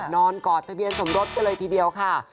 กอดทะเบียนสมรสกันเลยทีเดียวค่ะ